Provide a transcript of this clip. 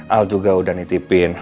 al juga udah nitipin